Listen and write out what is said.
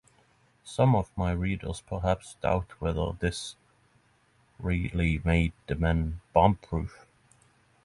Some of my readers perhaps doubt whether this really made the men bombproof.